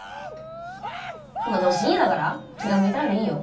まあど深夜だから気が向いたらでいいよ。